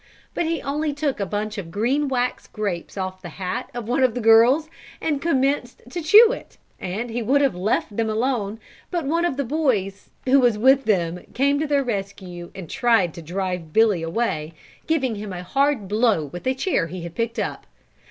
But he only took a bunch of green wax grapes off the hat of one of the girls and commenced to chew it, and he would have left them alone but one of the boys who was with them came to their rescue and tried to drive Billy away by giving him a hard blow with a chair he had picked up.